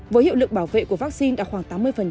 với hiệu lực bảo vệ của vaccine đạt khoảng tám mươi